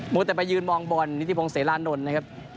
แต่ไปยืนมองบอลนิติพงศิรานนท์นะครับ